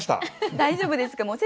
大丈夫ですか？